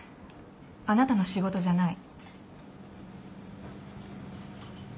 あなたの仕事じゃない。